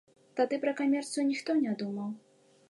Тады пра камерцыю ніхто не думаў.